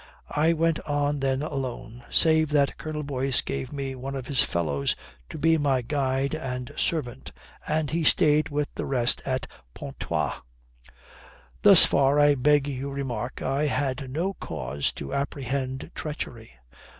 I went on then alone, save that Colonel Boyce gave me one of his fellows to be my guide and servant, and he stayed with the rest at Pontoise. Thus far, I beg you remark, I had no cause to apprehend treachery.